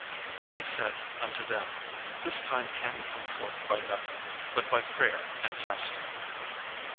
And he said unto them, "This kind can come forth by nothing, but by prayer and fasting."